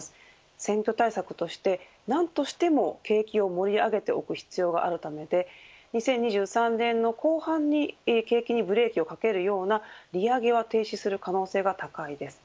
選挙対策として、何としても景気を盛り上げておく必要があるためで２０２３年の後半に景気にブレーキをかけるような利上げを停止する可能性が高いです。